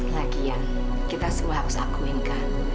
lagian kita semua harus akuinkan